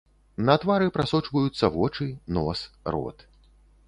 На твары прасочваюцца вочы, нос, рот.